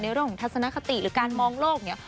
เรื่องของทัศนคติหรือการมองโลกเนี่ย